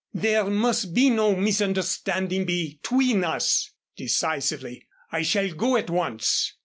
"There must be no misunderstanding between us," decisively, "I shall go at once."